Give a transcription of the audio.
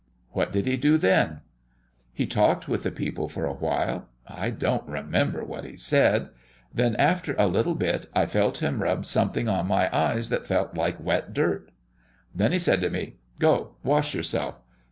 '" "What did He do then?" "He talked with the people for a while. I don't remember what He said; then, after a little bit, I felt Him rub something on my eyes that felt like wet dirt. Then He said to me, 'Go wash yourself.'